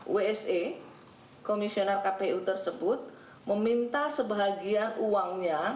wse komisioner kpu tersebut meminta sebahagia uangnya